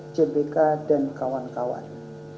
cbk dan kawan kawan